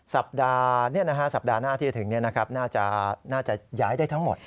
สัปดาห์หน้าที่ถึงนี่นะครับน่าจะย้ายได้ทั้งหมด